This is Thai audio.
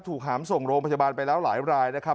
หามส่งโรงพยาบาลไปแล้วหลายรายนะครับ